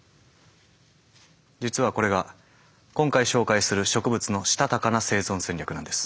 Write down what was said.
実はこれが今回紹介する植物のしたたかな生存戦略なんです。